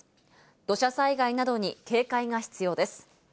土砂災害などに警戒が必要です。